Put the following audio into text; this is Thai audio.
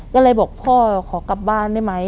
ก็เลยบอกพ่อขอกลับบ้านได้ไหม